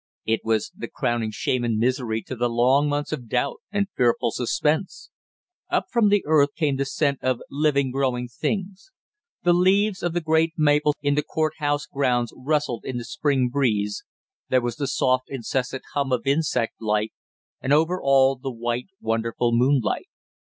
It was the crowning shame and misery to the long months of doubt and fearful suspense. Up from the earth came the scent of living growing things. The leaves of the great maples in the court house grounds rustled in the spring breeze, there was the soft incessant hum of insect life, and over all the white wonderful moonlight.